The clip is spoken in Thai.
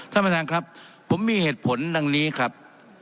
ท่านประธานครับผมมีเหตุผลดังนี้ครับ